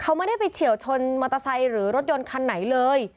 เขาไม่ได้ไปเฉียวชนมอเตอร์ไซค์หรือรถยนต์คันไหนเลย